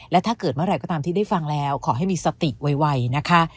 และถ้าเกิดเมื่อไหร่ก็ตามที่ได้ฟังแล้วขอให้มีสติไวนะคะ